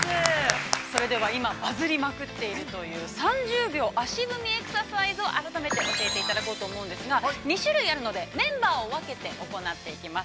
それでは、今バズりまくっているという３０秒足踏みエクササイズを改めて、教えていただこうと思うんですが、２種類あるので、メンバーを分けて行っていきます。